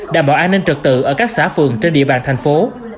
đảm bảo an ninh trật tự ở các xã phường trên địa bàn thành phố